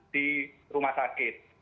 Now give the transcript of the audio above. di rumah sakit